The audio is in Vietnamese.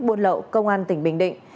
buôn lậu công an tỉnh bình định